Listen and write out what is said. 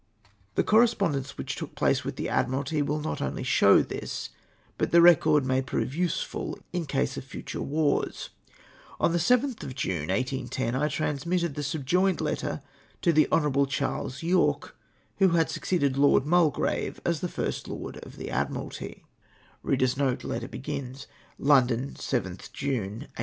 The correspondence which took place with the Ad miralty will not only show this, but the I'ecord may prove usefid in case of future wars. On the 7tli of June, 1810, I transmitted the sub joined letter to the Hon. Charles Yorke, who had succeeded Lord Mulgrave as First Lord of the Admiralty :—" London, 7tli Jime, 1810.